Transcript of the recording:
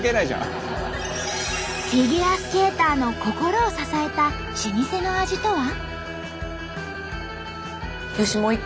フィギュアスケーターの心を支えた老舗の味とは？